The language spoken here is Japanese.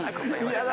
嫌だ。